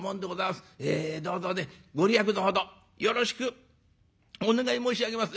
えどうぞね御利益のほどよろしくお願い申し上げます。